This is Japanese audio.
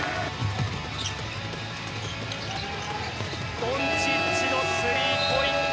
ドンチッチのスリーポイント。